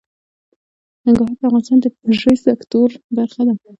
ننګرهار د افغانستان د انرژۍ سکتور برخه ده.